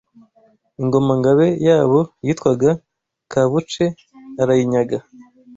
Ingoma –ngabe yabo yitwaga Kabuce arayinyaga.